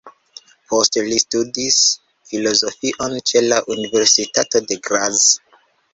Poste li studis filozofion ĉe la Universitato de Graz.